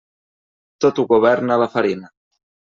Tot ho governa la farina.